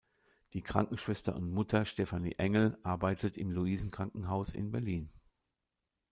Die Krankenschwester und Mutter "Stefanie Engel" arbeitet im Luisen-Krankenhaus in Berlin.